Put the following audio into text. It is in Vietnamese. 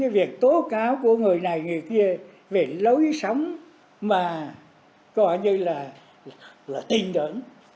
về tố cáo của người này người kia về lối sống mà coi như là là tình đỡn